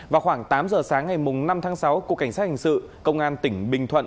vào khoảng tám giờ sáng ngày năm tháng sáu cục cảnh sát hình sự công an tỉnh bình thuận